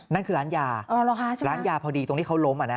นั่นคือร้านยาร้านยาพอดีตรงที่เขาล้ม